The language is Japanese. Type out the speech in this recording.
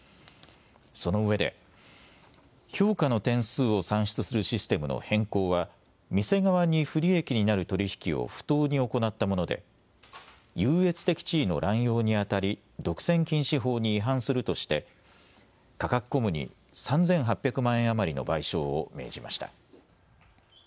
そのうえで評価の点数を算出するシステムの変更は店側に不利益になる取り引きを不当に行ったもので優越的地位の乱用にあたり独占禁止法に違反するとしてカカクコムに３８００万円余りの賠償を命じました。